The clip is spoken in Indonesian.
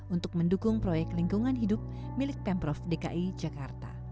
untuk mendukung proyek lingkungan hidup milik pemprov dki jakarta